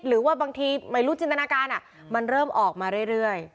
หรือว่าบางทีไม่รู้จินตนาการมันเริ่มออกมาเรื่อย